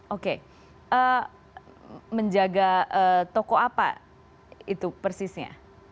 oke menjaga toko apa itu persisnya